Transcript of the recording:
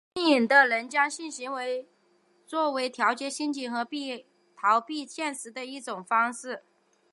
有性瘾的人将性行动作为调节心情和逃避现实的一种方式。